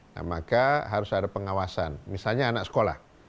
nah maka harus ada pengawasan misalnya anak sekolah